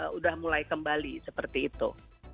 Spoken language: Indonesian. sudah mulai kembali seperti itu